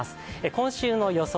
今週の予想